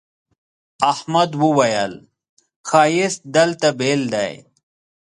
احمد وويل: ښایست دلته بېل دی.